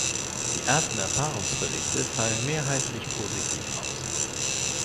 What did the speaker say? Die ersten Erfahrungsberichte fallen mehrheitlich positiv aus.